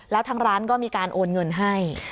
แล้วทางร้านก็มีการโอนเงินให้